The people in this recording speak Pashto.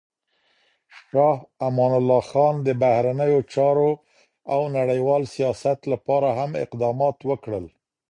شاه امان الله خان د بهرنیو چارو او نړیوال سیاست لپاره هم اقدامات وکړل.